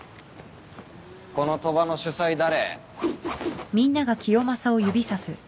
この賭場の主催誰？